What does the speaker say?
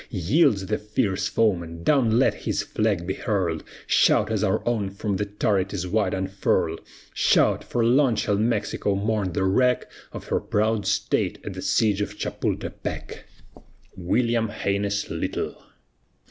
Yields the fierce foeman; down let his flag be hurled, Shout, as our own from the turret is wide unfurled! Shout! for long shall Mexico mourn the wreck Of her proud state at the siege of Chapultepec. WILLIAM HAINES LYTLE.